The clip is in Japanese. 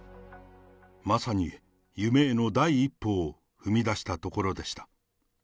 まさに夢への第一歩を踏み出したところでした。